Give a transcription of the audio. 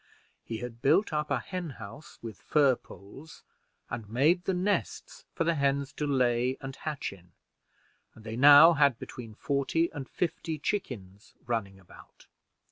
He had built up a hen house with fir poles, and made the nests for the hens to lay and hatch in, and they now had between forty and fifty chickens running about.